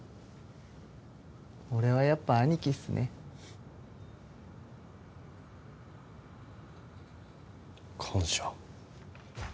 俺はやっぱ兄貴ですね。感謝。